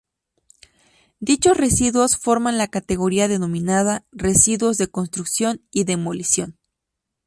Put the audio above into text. Dichos residuos forman la categoría denominada residuos de construcción y demolición.